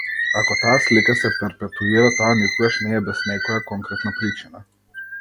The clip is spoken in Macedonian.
Ако таа слика се перпетуира, таа никогаш не е без некоја конкретна причина.